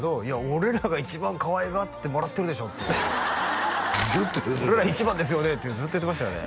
俺らが一番かわいがってもらってるでしょっていう「俺ら一番ですよね？」ってずっと言ってましたよね